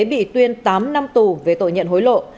bị tuyên tám năm tù về tội nhận hối lộ